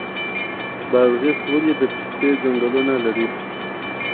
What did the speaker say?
بادغیس ولې د پستې ځنګلونه لري؟